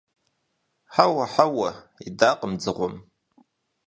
– Хьэуэ, хьэуэ! – идакъым дзыгъуэм.